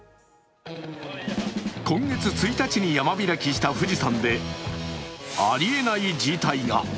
今月１日に山開きした富士山でありえない事態が。